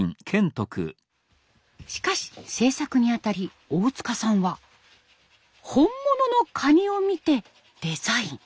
しかし制作にあたり大塚さんは本物の蟹を見てデザイン。